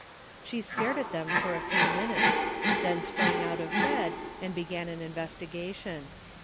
She stared at them for a few minutes, then sprang out of bed and be gan an investigation.